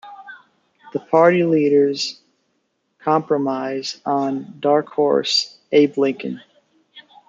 The party leaders compromise on "dark horse" Abe Lincoln.